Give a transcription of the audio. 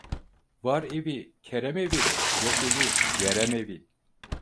Var evi kerem evi, yok evi verem evi.